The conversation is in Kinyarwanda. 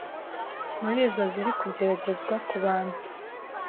Muri izo ziri kugeragerezwa ku bantu